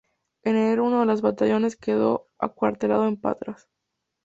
En enero uno de los batallones quedó acuartelado en Patras.